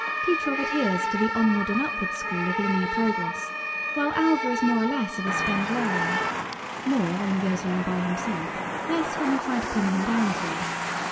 Kutrov adheres to the "onward and upward" school of linear progress, while Alva is more or less of a Spenglerian. More when he goes along by himself; less when you try to pin him down to it.